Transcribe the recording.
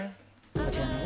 こちらのね